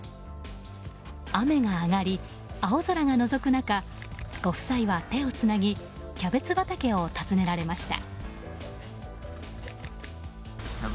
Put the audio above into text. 雨が上がり、青空がのぞく中ご夫妻は、手をつなぎキャベツ畑を訪ねられました。